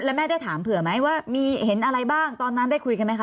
แล้วแม่ได้ถามเผื่อไหมว่ามีเห็นอะไรบ้างตอนนั้นได้คุยกันไหมค